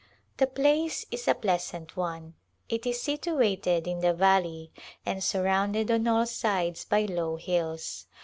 The place is a pleasant one. It is situated in the valley and surrounded on all sides by low hills.